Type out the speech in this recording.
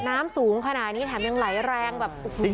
น้ำสูงขนาดนี้แถมยังร้ายแรง